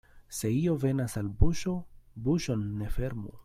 Se io venas al buŝo, buŝon ne fermu.